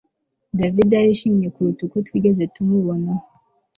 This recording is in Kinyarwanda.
David arishimye kuruta uko twigeze tumubona